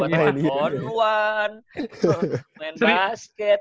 buat handphone main basket